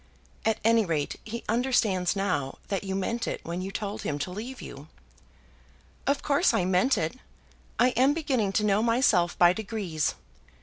"At any rate, he understands now that you meant it when you told him to leave you." "Of course I meant it. I am beginning to know myself by degrees.